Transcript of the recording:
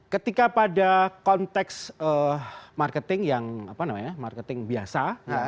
ketika pada konteks marketing yang marketing biasa